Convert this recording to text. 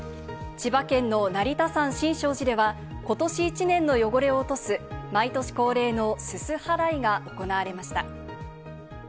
千葉県の成田山新勝寺では今年１年の汚れを落とす、毎年恒例のすす払いが行われました。